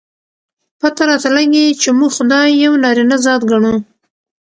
پته راته لګي، چې موږ خداى يو نارينه ذات ګڼو.